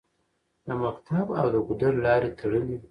د مکتب او د ګودر لارې تړلې